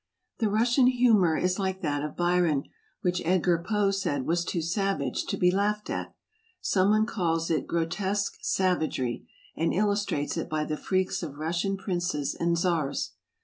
The Russian humor is like that of Byron, which Edgar Poe said was too savage to be laughed at. Some one calls it grotesque savagery, and illustrates it by the freaks of Rus sian princes and czars.